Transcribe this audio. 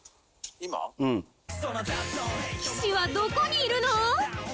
岸はどこにいるの？